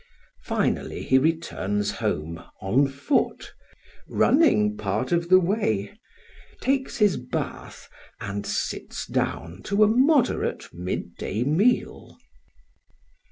Finally he returns home on foot, running part of the way, takes his bath, and sits down to a moderate midday meal.